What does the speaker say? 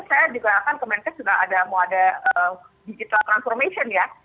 saya juga bilang kemenangnya sudah ada wadah digital transformation ya